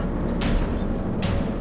nanti kamu kasih tau